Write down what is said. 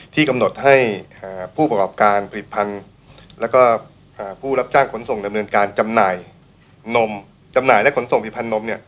ที่กำหนดให้ผู้ประกอบการผลิตภัณฑ์และผู้รับจ้างขนส่งดำเนินการจำหน่ายนม